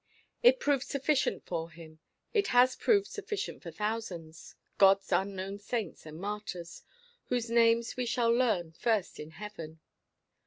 It proved sufficient for him. It has proved sufficient for thousands God's unknown saints and martyrs, whose names we shall learn first in heaven.